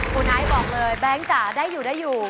คุณไอซ์บอกเลยแบงค์จะได้อยู่ได้อยู่